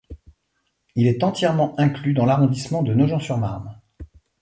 Il est entièrement inclus dans l'arrondissement de Nogent-sur-Marne.